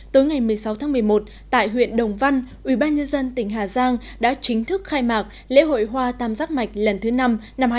tối ngày một mươi sáu tháng một mươi một tại huyện đồng văn ubnd tỉnh hà giang đã chính thức khai mạc lễ hội hoa tam giác mạch lần thứ năm năm hai nghìn hai mươi